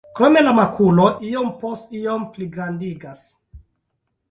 Krome la makulo iom post iom pligrandigas.